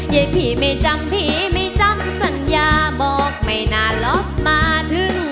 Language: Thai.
ยายพี่ไม่จำผีไม่จำสัญญาบอกไม่น่าลบมาถึง